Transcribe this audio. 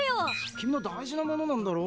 君の大事なものなんだろ？